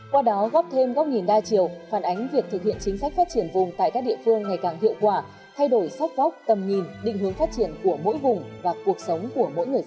qua đó góp thêm góc nhìn đa chiều phản ánh việc thực hiện chính sách phát triển vùng tại các địa phương ngày càng hiệu quả thay đổi sắc vóc tầm nhìn định hướng phát triển của mỗi vùng và cuộc sống của mỗi người dân